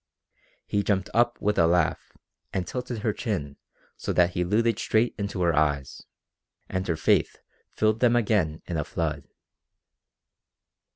He jumped up with a laugh and tilted her chin so that he looted straight into her eyes; and her faith filled them again in a flood.